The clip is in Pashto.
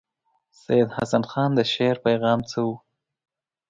سید حسن خان د شعر پیغام څه وو.